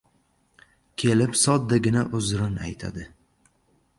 Kelib soddagina uzrin aytadi